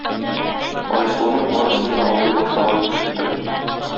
Айсылуның барысын да аңлый башлаганын көттем.